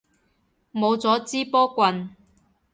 冇咗支波棍